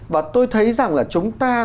và tôi thấy rằng là chúng ta